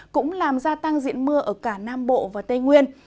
cũng làm gia tăng diện mưa ở cả nam bộ và tây nguyên